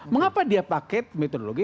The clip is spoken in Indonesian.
mengapa dia pakai metodologi